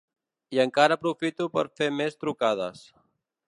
I encara aprofito per fer més trucades.